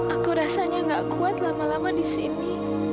aku rasanya gak kuat lama lama disini